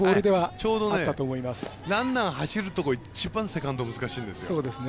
ちょうど、ランナー走るところ一番、セカンド難しいんです。